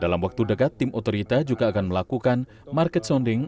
dalam waktu dekat tim otorita juga akan melakukan market sounding